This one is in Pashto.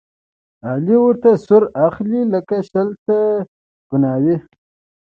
علي ورته سور اخلي، لکه شل ته کڼاوې.